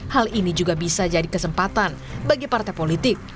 hal ini juga bisa jadi kesempatan bagi partai politik